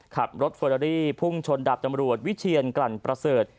ขับรถเฟอรารี่พุ่งชนดาบตำรวจวิเชียนกลั่นประเสริฐ